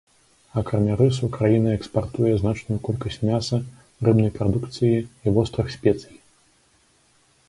Акрамя рысу, краіна экспартуе значную колькасць мяса, рыбнай прадукцыі і вострых спецый.